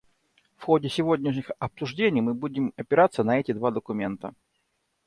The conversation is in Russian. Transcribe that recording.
В ходе сегодняшних обсуждений мы будем опираться на эти два документа.